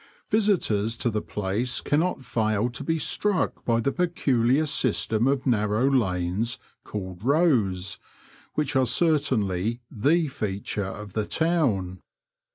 Visitors to the place cannot fail to be struck by the pecular system of narrow lanes, called rows, which are certainly the feature of the town.